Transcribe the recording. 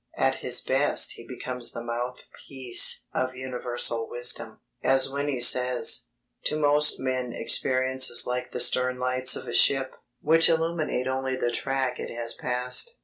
At his best, he becomes the mouthpiece of universal wisdom, as when he says: "To most men experience is like the stern lights of a ship, which illuminate only the track it has passed."